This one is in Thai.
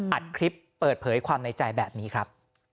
อัดคลิปเปิดเผยความในใจแบบนี้ครับ